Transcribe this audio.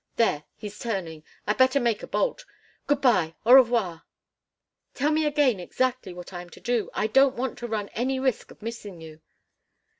There, he's turning. I'd better make a bolt. Good bye. Au revoir—" "Tell me again exactly what I am to do. I don't want to run any risk of missing you."